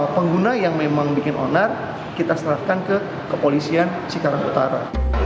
pengguna yang memang bikin onar kita serahkan ke kepolisian cikarang utara